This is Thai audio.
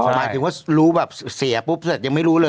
หมายถึงว่ารู้แบบเสียปุ๊บเสร็จยังไม่รู้เลย